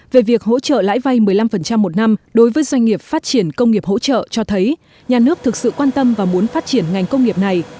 về việc hỗ trợ lãi vay một mươi năm một năm đối với doanh nghiệp phát triển công nghiệp hỗ trợ cho thấy nhà nước thực sự quan tâm và muốn phát triển ngành công nghiệp này